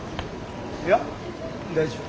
いや大丈夫。